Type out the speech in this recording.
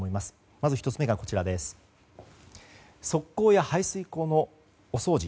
まず１つ目が側溝や排水溝のお掃除。